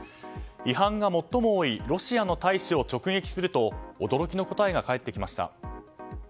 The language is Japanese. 違反が最も多いロシアの大使を直撃すると驚きの答えが返ってきました。